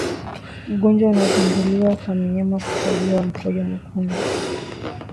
ugonjwa unaotambuliwa kwa mnyama kukojoa mkojo mwekundu